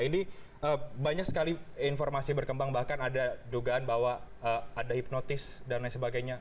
ini banyak sekali informasi berkembang bahkan ada dugaan bahwa ada hipnotis dan lain sebagainya